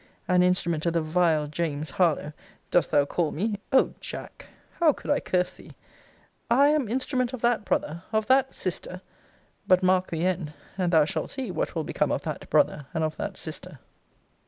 An instrument of the vile James Harlowe, dost thou call me? O Jack! how could I curse thee! I am instrument of that brother! of that sister! But mark the end and thou shalt see what will become of that brother, and of that sister!